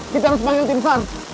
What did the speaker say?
kita harus panggil tim sar